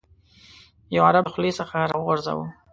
یو عرب له خولې څخه راوغورځاوه.